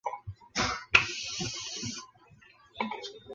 沈传芷出生于昆曲世家。